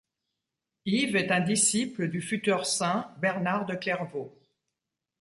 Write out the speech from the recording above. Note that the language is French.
Yves est un disciple du futur saint Bernard de Clairvaux.